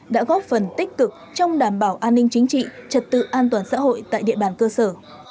đã góp phần tích cực trong đảm bảo an ninh chính trị trật tự an toàn xã hội tại địa bàn cơ sở